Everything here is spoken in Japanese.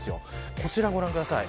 こちらをご覧ください。